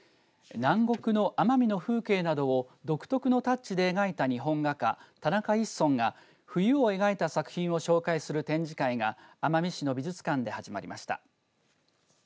南国の奄美の風景などを独特のタッチで描いた日本画家田中一村が冬を描いた作品を紹介する展示会が奄美市の美術館で始まりました。